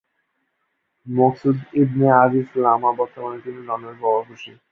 মকসুদ ইবনে আজিজ লামা বর্তমানে তিনি লন্ডন প্রবাসী।